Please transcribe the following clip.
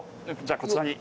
じゃあこちらに。